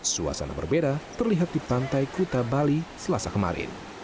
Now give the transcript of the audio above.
suasana berbeda terlihat di pantai kuta bali selasa kemarin